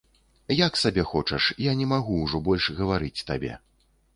Як сабе хочаш, я не магу ўжо больш гаварыць табе.